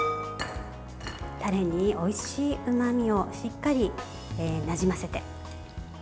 タレにおいしいうまみをしっかりなじませて。